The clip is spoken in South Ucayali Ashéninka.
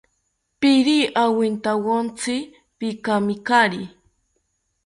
Piiri awintawontzi, pikamikari